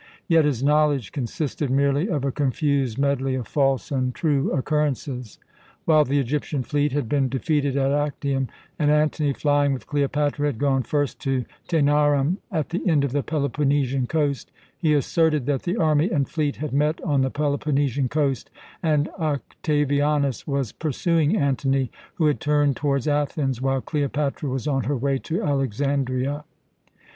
Yet his knowledge consisted merely of a confused medley of false and true occurrences. While the Egyptian fleet had been defeated at Actium, and Antony, flying with Cleopatra, had gone first to Tænarum at the end of the Peloponnesian coast, he asserted that the army and fleet had met on the Peloponnesian coast and Octavianus was pursuing Antony, who had turned towards Athens, while Cleopatra was on her way to Alexandria.